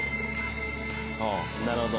「なるほど。